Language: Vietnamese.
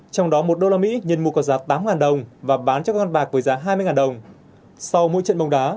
trong đó một đô la mỹ nhân mua có giá tám đồng và bán cho các con bạc với giá hai mươi đồng